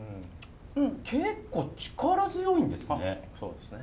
結構力強いんですね。